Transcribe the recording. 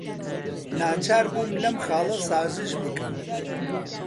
ناچار بووم لەم خاڵە سازش بکەم.